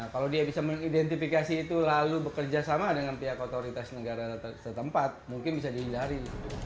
kalau dia bisa mengidentifikasi itu lalu bekerja sama dengan pihak otoritas negara setempat mungkin bisa dihindari